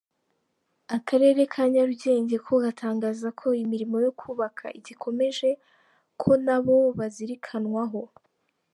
Akarere ka Nyarugenge ko gatangaza ko imirimo yo kubaka igikomeje, ko nabo bazirikanwaho.